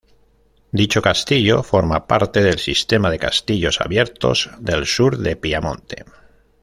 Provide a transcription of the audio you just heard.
Dicho castillo forma parte del sistema de "Castillos Abiertos" del sur de Piamonte.